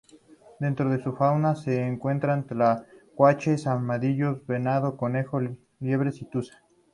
Dentro de su fauna se encuentran tlacuaches, armadillo, venado, conejo, liebres y tuza.